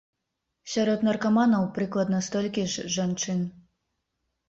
Сярод наркаманаў прыкладна столькі ж жанчын.